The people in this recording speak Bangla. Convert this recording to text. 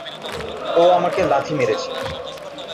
ও আমাকে লাথি মারছে!